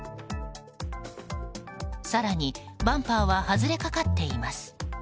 更にバンパーは外れかかっています。